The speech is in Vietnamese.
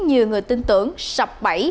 nhiều người tin tưởng sập bẫy